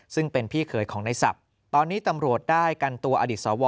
ซึ่งเป็นพี่เขยของในศัพท์ตอนนี้ตำรวจได้กันตัวอดีตสว